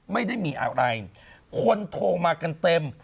ไม่ได้มีอะไรคนโทรมากันเต็ม